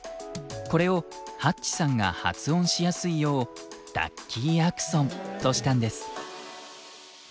これをＨａｔｃｈさんが発音しやすいようダッキー・アクソンとしたんです。